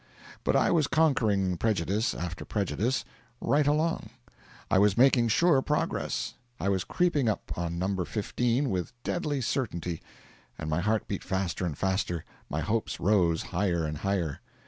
But I was conquering prejudice after prejudice, right along; I was making sure progress; I was creeping up on No. 15 with deadly certainty, and my heart beat faster and faster, my hopes rose higher and higher.